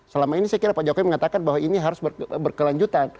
selama ini saya kira pak jokowi mengatakan bahwa ini harus berkelanjutan